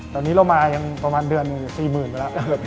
ตอนนี้เรามายังประมาณเดือนหนึ่ง๔๐๐๐ไปแล้ว